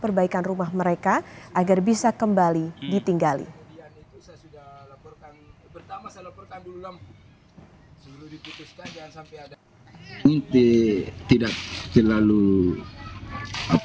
pemilik rumah mengaku sempat ikut terjatuh ke laut bersama bantuan